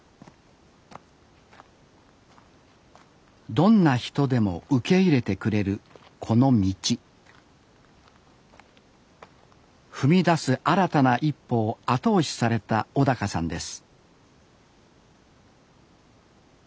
どんな人でも受け入れてくれるこの道踏み出す新たな一歩を後押しされた小さんです